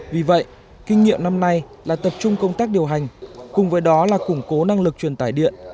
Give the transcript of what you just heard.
vì vậy kinh nghiệm năm nay là tập trung công tác điều hành cùng với đó là củng cố năng lực truyền tải điện